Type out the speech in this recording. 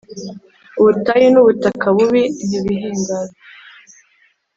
Ubutayu n’ubutaka bubi nibihimbarwe,